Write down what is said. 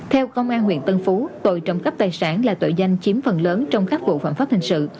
theo công an huyện tân phú tội trộm cắp tài sản là tội danh chiếm phần lớn trong các vụ phạm pháp hình sự